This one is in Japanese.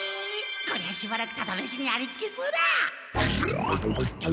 こりゃしばらくタダめしにありつけそうだ。